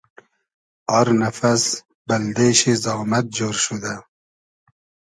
آر نئفئس بئلدې شی زامئد جۉر شودۂ